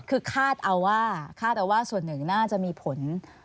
คือคาดเอาว่าส่วนหนึ่งน่าจะมีผล